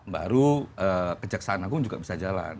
baru kejaksaan agung juga bisa jalan